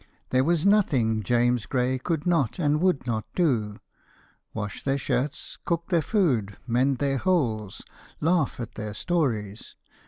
There was nothing 'James Gray' could not and would not do wash their shirts, cook their food, mend their holes, laugh at their stories.